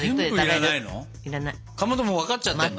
かまどもう分かっちゃってるの？